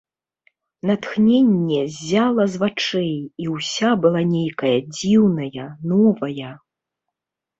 Натхненне ззяла з вачэй, і ўся была нейкая дзіўная, новая.